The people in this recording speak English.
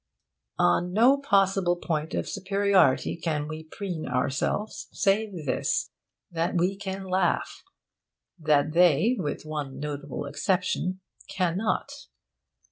On no possible point of superiority can we preen ourselves save this: that we can laugh, and that they, with one notable exception, cannot.